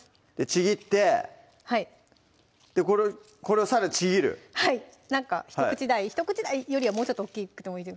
ちぎってこれをさらにちぎるはいなんか１口大よりはもうちょっと大きくてもいい